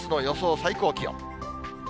最高気温。